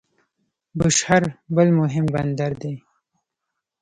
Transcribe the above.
بوشهر بل مهم بندر دی.